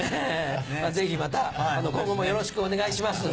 ぜひまた今後もよろしくお願いします。